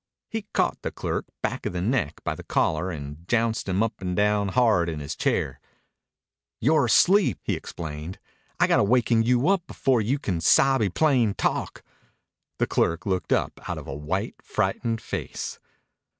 He caught the clerk back of the neck by the collar and jounced him up and down hard in his chair. "You're asleep," he explained. "I got to waken you up before you can sabe plain talk." The clerk looked up out of a white, frightened face.